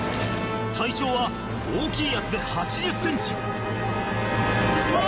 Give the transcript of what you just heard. ・体長は大きいやつで８０ｃｍ・うわ！